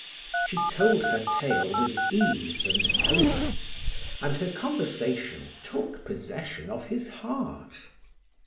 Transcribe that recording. She told her tale with ease and elegance, and her conversation took possession of his heart.